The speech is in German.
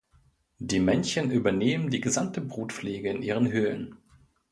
Die Männchen übernehmen die gesamte Brutpflege in ihren Höhlen.